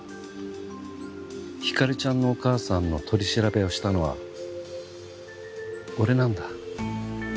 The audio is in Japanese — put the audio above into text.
ひかりちゃんのお母さんの取り調べをしたのは俺なんだ。